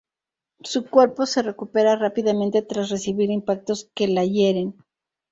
Su cuerpo se recupera rápidamente tras recibir impactos que la hieren.